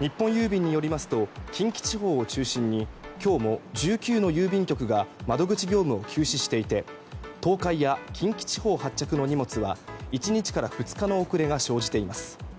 日本郵便によりますと近畿地方を中心に今日も１９の郵便局が窓口業務を休止していて東海や近畿地方発着の荷物は１日から２日の遅れが生じています。